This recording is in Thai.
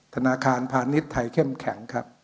ธนาคารพาณิชย์ไทยเข้มแข็งครับ